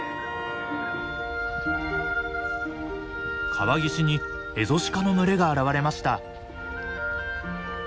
川岸にエゾシカの群れが現れました。